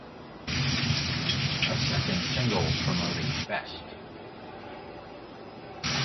A second single promoting Best...